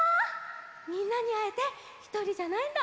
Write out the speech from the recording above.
みんなにあえてひとりじゃないんだ